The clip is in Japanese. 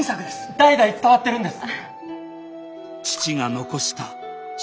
代々伝わってるんです！